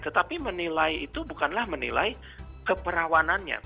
tetapi menilai itu bukanlah menilai keperawanannya